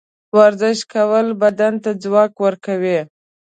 ورزش کول بدن ته ځواک ورکوي.